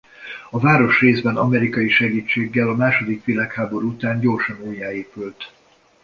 A város részben amerikai segítséggel a második világháború után gyorsan újjáépült.